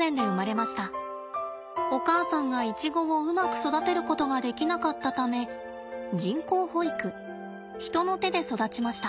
お母さんがイチゴをうまく育てることができなかったため人工哺育人の手で育ちました。